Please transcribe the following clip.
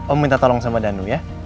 om minta tolong sama danu ya